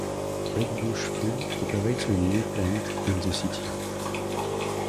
Brakebush Foods operates a new plant in the city.